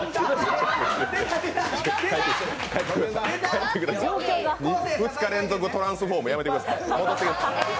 待ってください、２日連続、トランスフォームやめてください。